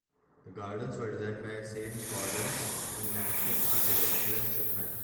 The gardens were designed by Saint-Gaudens and landscape architect Ellen Shipman.